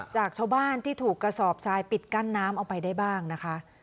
จากชาวบ้านที่ถูกกระสอบทรายปิดกั้นน้ำเอาไปได้บ้างนะคะ